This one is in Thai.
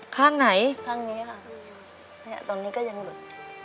ข้างไหนค่ะตรงนี้ก็ยังหลุด